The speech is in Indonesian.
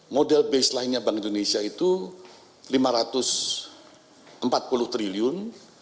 model baseline nya bank indonesia itu rp lima ratus empat puluh triliun